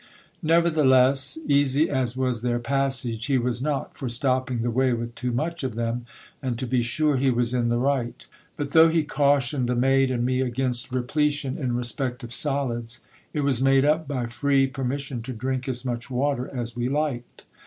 Nevertheless, easy as was their passage, he was not for stopping the way with too much of them : and, to be sure, he was in the right But though he cautioned the maid and me against repletion in respect of solids, it was made up by free permission to drink as much water as we liked.